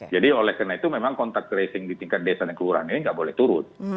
jadi oleh karena itu memang kontak tracing di tingkat desa dan kelurahan ini tidak boleh turun